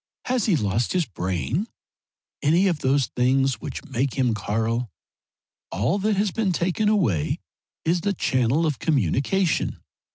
Has he lost his brain any of those things which make him Karl? All that has been taken away is the channel of communication.